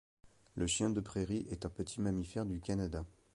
Le chien de prairie est un petit mammifère du Canada